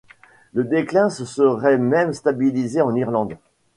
Le déclin se serait même stabilisé en Irlande.